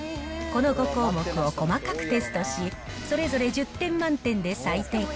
この５項目を細かくテストし、それぞれ１０点満点で採点。